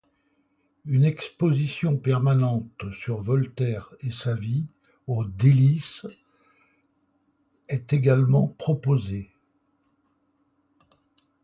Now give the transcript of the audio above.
Une exposition permanente sur Voltaire et sa vie aux Délices est également proposée.